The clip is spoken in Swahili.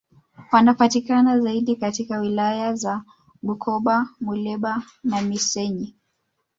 Wanapatikana zaidi katika wilaya za Bukoba Muleba na Missenyi